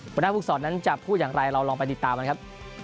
บรรทธ์ภูกษ์สอนนั้นจะพูดอย่างไรเราลองไปติดตามนะครับ